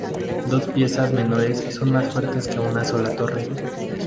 Dos piezas menores son más fuertes que una sola torre.